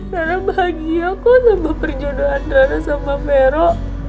rara bahagia kok sama perjodohan rara sama vero